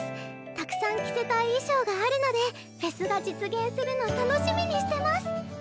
たくさん着せたい衣装があるのでフェスが実現するの楽しみにしてます！」。